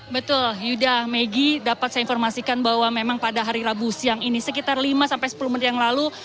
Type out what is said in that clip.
betul yuda megi dapat saya informasikan bahwa memang pada hari rabu siang ini sekitar lima sampai sepuluh menit yang lalu